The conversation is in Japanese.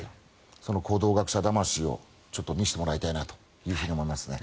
その講道学舎魂をちょっと見せてもらいたいなと思いますね。